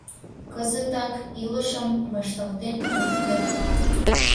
— Кызытак илышым вашталтен от керт.